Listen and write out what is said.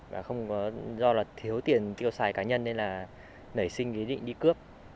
và không có do là thiếu tiền tiêu xài cá nhân nên là nảy sinh ý định đi cướp